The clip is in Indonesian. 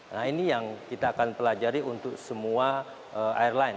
nah ini yang kita akan pelajari untuk semua airline